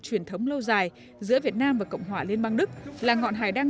truyền thống lâu dài giữa việt nam và cộng hòa liên bang đức là ngọn hải đăng